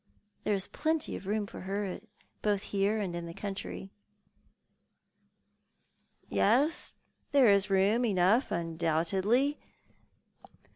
There is plenty of room for her, both here and in the country." *' Yes, there is room enough, undoubtedly.